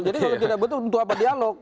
jadi kalau tidak betul untuk apa dialog